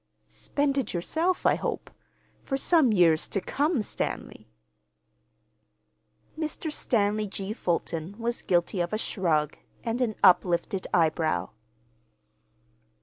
"Spend it yourself, I hope—for some years to come, Stanley." Mr. Stanley G. Fulton was guilty of a shrug and an uplifted eyebrow.